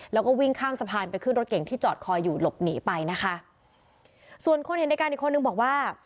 แล้วก็วิ่งข้ามสะพานไปขึ้นรถเก่งที่จอดคอยอยู่หลบหนีไปนะคะส่วนคนเห็นในการอีกคนนึงบอกว่า